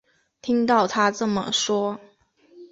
听到她这么说